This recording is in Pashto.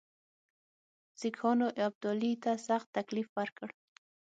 سیکهانو ابدالي ته سخت تکلیف ورکړ.